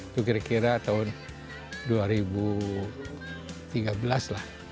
itu kira kira tahun dua ribu tiga belas lah